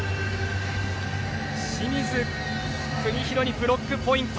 清水邦広にブロックポイント。